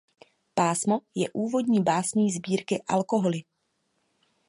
Pásmo je úvodní básní sbírky Alkoholy.